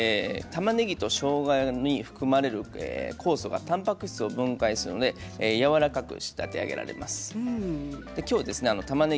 たまねぎとしょうがに含まれる酵素がたんぱく質を分解するのでやわらかく仕立て上げることができます。